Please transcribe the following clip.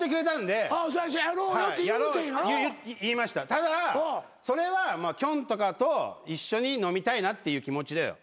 ただそれはきょんとかと一緒に飲みたいなって気持ちだよ。